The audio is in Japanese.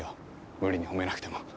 無理に褒めなくても。